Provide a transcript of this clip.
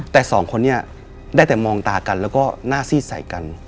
แต่สองคนนี้ได้แต่มองตากันแล้วก็หน้าซีดใส่กัน